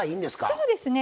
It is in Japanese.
そうですね。